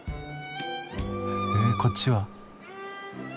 えこっちは？